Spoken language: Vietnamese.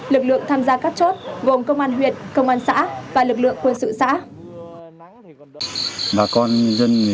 lực lượng tham gia các chốt gồm công an huyện công an xã và lực lượng quân sự xã